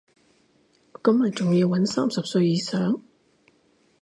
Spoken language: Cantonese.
咁係咪仲要搵三十歲以上